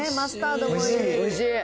おいしい。